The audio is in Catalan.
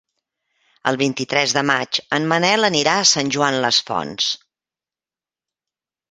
El vint-i-tres de maig en Manel anirà a Sant Joan les Fonts.